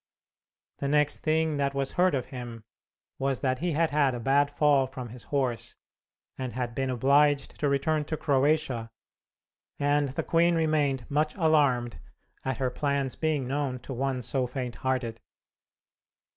The next thing that was heard of him was that he had had a bad fall from his horse, and had been obliged to return to Croatia, and the queen remained much alarmed at her plans being known to one so faint hearted.